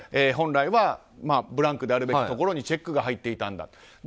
本来はブランクであるべきところにチェックが入っていた。